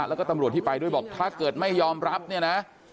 แล้วก็ตำรวจที่ไปด้วยบอกถ้าเกิดไม่ยอมรับเนี่ยนะ